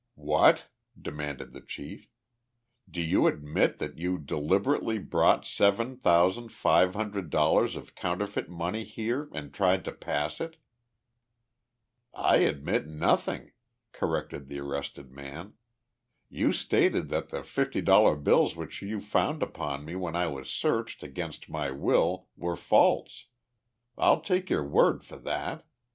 "What?" demanded the chief. "Do you admit that you deliberately brought seven thousand five hundred dollars of counterfeit money here and tried to pass it?" "I admit nothing," corrected the arrested man. "You stated that the fifty dollar bills which you found upon me when I was searched against my will were false. I'll take your word for that.